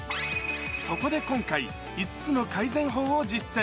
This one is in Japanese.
そこで今回、５つの改善法を実践。